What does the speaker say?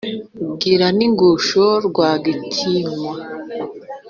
Igira n'ingusho Rwagitinywa